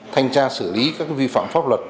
thanh tra xử lý các vi phạm pháp luật